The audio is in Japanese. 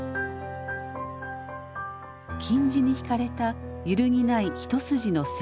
金地に引かれた揺るぎない一筋の線。